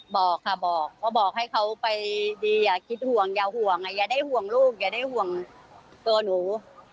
บอกค่ะบอกว่าบอกให้เขาไปดีอย่าคิดห่วงอย่าห่วงอย่าได้ห่วงลูกอย่าได้ห่วงตัวหนู